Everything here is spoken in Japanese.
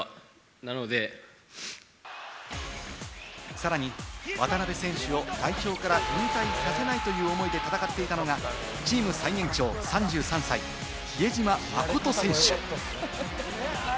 さらに渡邊選手を代表から引退させないという思いで戦っていたのが、チーム最年長、３３歳・比江島慎選手。